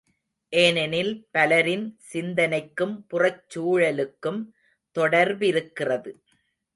ஏனெனில் பலரின் சிந்தனைக்கும் புறச் சூழலுக்கும் தொடர்பிருக்கிறது.